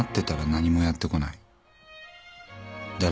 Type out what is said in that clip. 誰もやってこない。